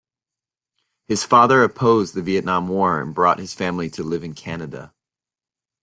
His father opposed the Vietnam War and brought his family to live in Canada.